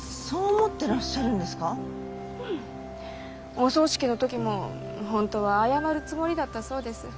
お葬式の時もホントは謝るつもりだったそうです。